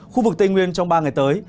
khu vực tây nguyên trong ba ngày tới